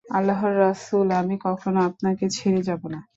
"আল্লাহর রাসুল, আমি কখনো আপনাকে ছেড়ে যাব না"